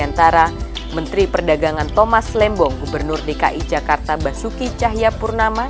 antara menteri perdagangan thomas lembong gubernur dki jakarta basuki cahayapurnama